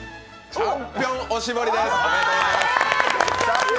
チャンピオンおしぼりです。